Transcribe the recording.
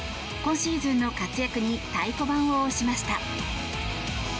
今シーズンの活躍に太鼓判を押しました。